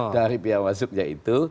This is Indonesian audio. dari biaya masuknya itu